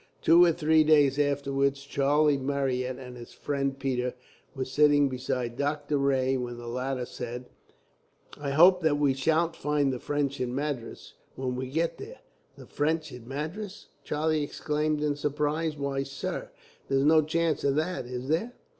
Two or three days afterwards, Charlie Marryat and his friend Peters were sitting beside Doctor Rae, when the latter said: "I hope that we sha'n't find the French in Madras, when we get there." "The French in Madras!" Charlie exclaimed in surprise. "Why, sir, there's no chance of that, is there?"